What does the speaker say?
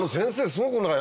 すごくない？